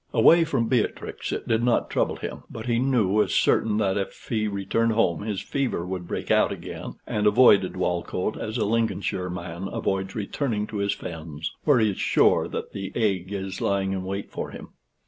Away from Beatrix, it did not trouble him; but he knew as certain that if he returned home, his fever would break out again, and avoided Walcote as a Lincolnshire man avoids returning to his fens, where he is sure that the ague is lying in wait for him.